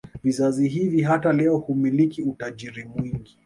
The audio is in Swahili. Vizazi hivi hata leo humiliki utajiri mwingi